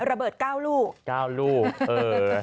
ระเบิด๙ลูก๙ลูกเออ